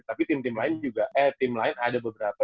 tapi tim tim lain juga eh tim lain ada beberapa